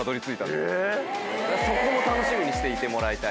そこも楽しみにしていてもらいたい。